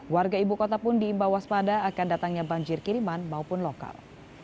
warga ibu kota pun diimbau waspada akan datangnya banjir kiriman maupun lokal